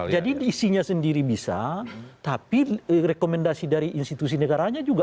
jadi isinya sendiri bisa tapi rekomendasi dari institusi negaranya juga